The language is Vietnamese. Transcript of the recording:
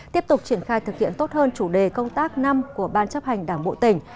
tiếp tục triển khai thực hiện tốt hơn chủ đề công tác năm của ban chấp hành đảng bộ tỉnh